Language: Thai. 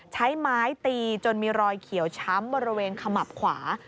ใช้ไม้ตีจนมีรอยเขียวช้ำบริเวณขมับขวา